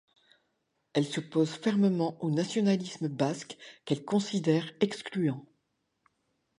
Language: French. Elle s'oppose fermement au nationalisme basque qu'elle considère excluant.